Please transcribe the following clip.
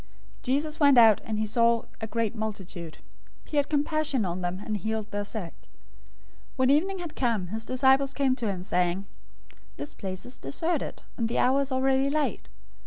014:014 Jesus went out, and he saw a great multitude. He had compassion on them, and healed their sick. 014:015 When evening had come, his disciples came to him, saying, "This place is deserted, and the hour is already late.